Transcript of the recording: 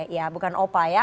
ya bukan opa ya